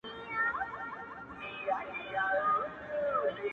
o د شرابو خُم پر سر واړوه یاره ـ